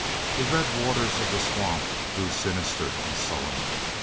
The red waters of the swamp grew sinister and sullen.